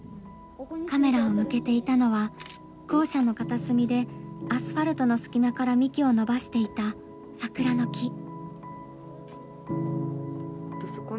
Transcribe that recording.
カメラを向けていたのは校舎の片隅でアスファルトの隙間から幹を伸ばしていた桜の木。